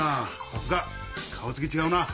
さすが顔つき違うな！